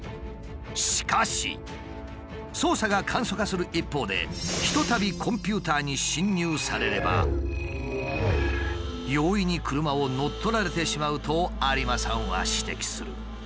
しかし操作が簡素化する一方でひとたびコンピューターに侵入されれば容易に車を乗っ取られてしまうと有馬さんは指摘する。